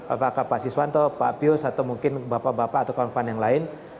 apakah pak siswanto pak pius atau mungkin bapak bapak atau kawan kawan yang lain